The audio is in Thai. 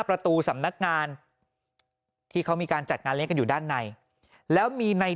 ประตูสำนักงานที่เขามีการจัดงานเลี้ยกันอยู่ด้านในแล้วมีใน